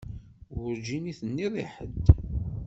Werǧin i t-nniɣ i ḥedd.